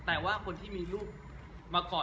แต่ว่าคนที่มีลูกมากอด